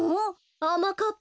あまかっぱ